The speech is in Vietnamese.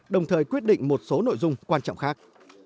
đồng thời quyết định một số nội dung quan trọng khác